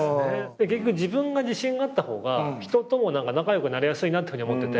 結局自分が自信があった方が人とも仲良くなれやすいなってふうに思ってて。